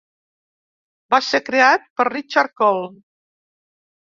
Va ser creat per Richard Cole.